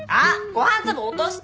ご飯粒落とした。